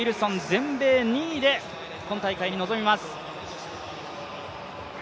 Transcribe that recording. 全米２位で今大会に臨みます。